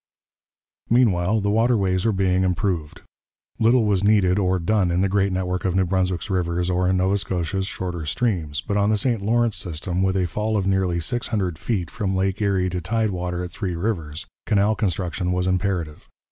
Meanwhile, the waterways were being improved. Little was needed or done in the great network of New Brunswick's rivers or in Nova Scotia's shorter streams, but on the St Lawrence system, with a fall of nearly six hundred feet from Lake Erie to tide water at Three Rivers, canal construction was imperative.